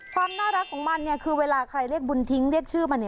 ความน่ารักของมันคือเวลาใครเรียกบุญทิ้งเรียกชื่อมัน